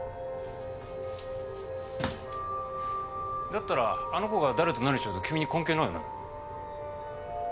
だったらあの子が誰と何しようと君に関係ないよね？